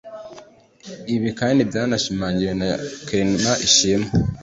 Ibi kandi byanashimangiwe na Clement Ishimwe